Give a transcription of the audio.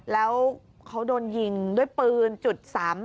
แล้วเขาโดนยิงด้วยปืน๓๘